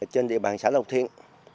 trên địa bàn xã lộc thiện